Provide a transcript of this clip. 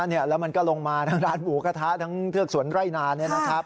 เออแล้วมันก็ลงมาทั้งร้านหมูกระทะทั้งเทือกสวนไร่นาน